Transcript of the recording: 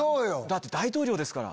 だって大統領ですから。